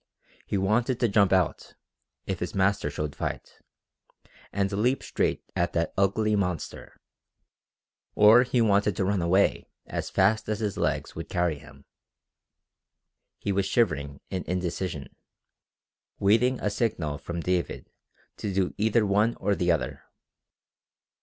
He wanted to jump out, if his master showed fight, and leap straight at that ugly monster, or he wanted to run away as fast as his legs would carry him. He was shivering in indecision, waiting a signal from David to do either one or the other.